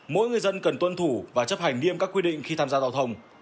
mỗi người dân cần tuân thủ và chấp hành nghiêm các quy định khi tham gia giao thông